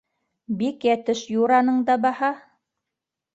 Бик йәтеш юраның да баһа.